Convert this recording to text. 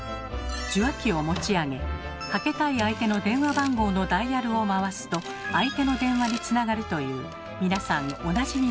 受話器を持ち上げかけたい相手の電話番号のダイヤルを回すと相手の電話につながるという皆さんおなじみの仕組みに。